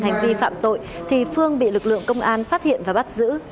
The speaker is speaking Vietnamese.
hành vi phạm tội thì phương bị lực lượng công an phát hiện và bắt giữ